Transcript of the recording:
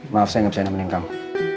maaf saya gak bisa menemani kamu